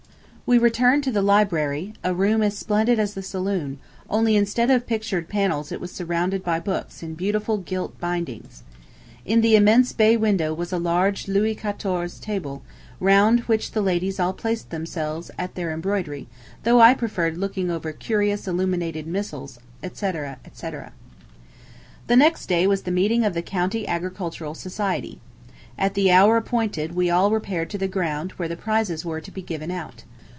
We returned to the library, a room as splendid as the saloon, only instead of pictured panels it was surrounded by books in beautiful gilt bindings. In the immense bay window was a large Louis Quatorze table, round which the ladies all placed themselves at their embroidery, though I preferred looking over curious illuminated missals, etc., etc. The next day was the meeting of the County Agricultural Society. ... At the hour appointed we all repaired to the ground where the prizes were to be given out.